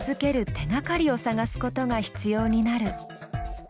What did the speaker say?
手がかりを探すことが必要になる。